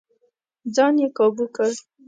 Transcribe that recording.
ځان يې کابو کړ.